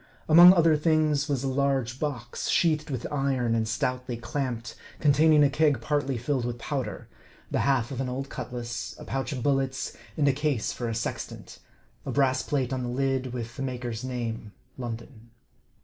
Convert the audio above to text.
Among other things, was a large box, sheathed with iron and stoutly clamped, containing a keg partly filled with powder, the half of an old cutlass, a pouch of bullets, and a case for a sextant a brass plate on the lid, with the maker's name, London.